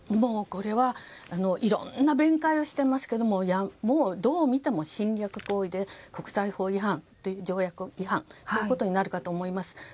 これはいろんな弁解をしていますけどもうどう見ても侵略行為で国際法違反条約違反になるかと思います。